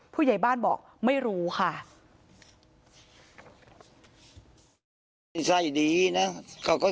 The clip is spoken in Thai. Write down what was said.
ผู้ใหญ่บ้านบอกไม่รู้ค่ะ